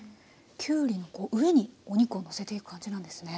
きゅうりの上にお肉をのせていく感じなんですね。